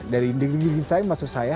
dari negeri negeri saya maksud saya